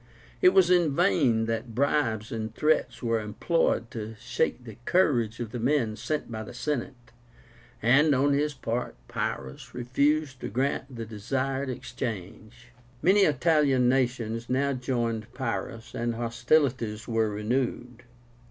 It was in vain that bribes and threats were employed to shake the courage of the men sent by the Senate; and, on his part, Pyrrhus refused to grant the desired exchange. Many Italian nations now joined Pyrrhus, and hostilities were renewed.